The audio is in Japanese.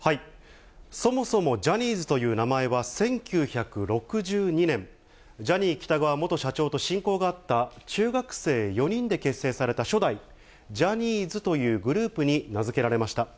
そもそもジャニーズという名前は、１９６２年、ジャニー喜多川元社長と親交があった中学生４人で結成された、初代ジャニーズというグループに名付けられました。